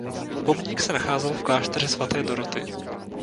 Pomník se nacházel v klášteře Svaté Doroty.